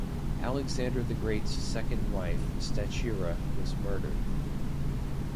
Alexander the Great's second wife, Stateira, was murdered.